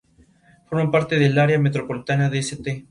Es la etapa intermedia entre la vida divina y la mundana.